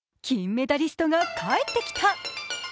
金メダリストが帰ってきた！